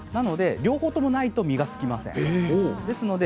両方ともないと実が付きません。